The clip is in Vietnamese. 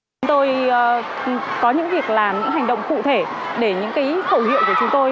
chúng tôi có những việc làm những hành động cụ thể để những khẩu hiệu của chúng tôi